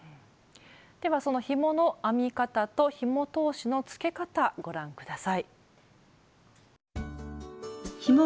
ではそのひもの編み方とひも通しのつけ方ご覧下さい。